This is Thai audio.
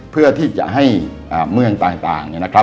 เพื่อที่จะให้เมืองต่าง